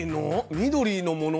緑のもの。